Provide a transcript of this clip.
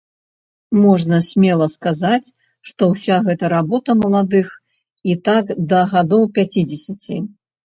Можна смела сказаць, што ўся гэта работа маладых і так да гадоў пяцідзесяці.